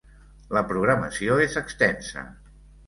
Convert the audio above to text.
La programació és extensa.